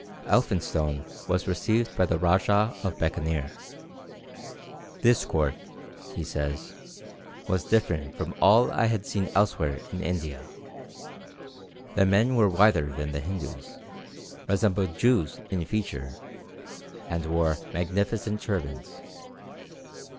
Elphinstone was received by the Rajah of Bekaneer. "This court," he says, "was different from all I had seen elsewhere in India. The men were whiter than the Hindus, resembled Jews in feature, and wore magnificent turbans.